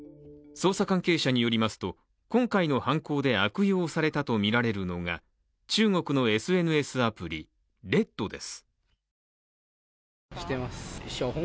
捜査関係者によりますと今回の犯行で悪用されたとみられるのが中国のＳＮＳアプリ、ＲＥＤです。